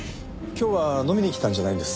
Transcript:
今日は飲みに来たんじゃないんです。